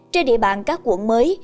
trên địa bàn các quận mới